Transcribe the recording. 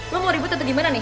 lo mau ribut atau gimana nih